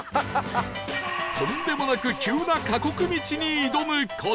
とんでもなく急な過酷道に挑む事に！